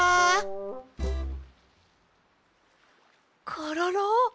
コロロ！